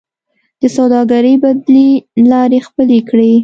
د سوداګرۍ بدیلې لارې خپلې کړئ